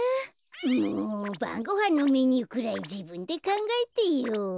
もうばんごはんのメニューくらいじぶんでかんがえてよ。